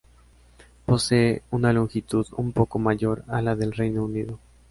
Posee una longitud un poco mayor a la del Reino Unido.